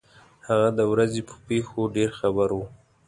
هغه د ورځې په پېښو ډېر خبر وو.